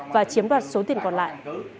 và chiếm đoạt số tiền còn lại